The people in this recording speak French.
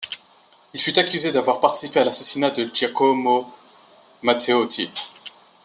Il fut accusé d'avoir participé à l'assassinat de Giacomo Matteotti.